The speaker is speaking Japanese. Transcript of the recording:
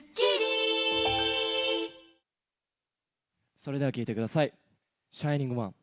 それでは聴いてください、『ＳｈｉｎｉｎｇＯｎｅ』。